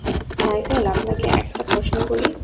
Nigel, আপনাকে একটা প্রশ্ন করি।